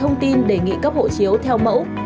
thông tin đề nghị cấp hộ chiếu theo mẫu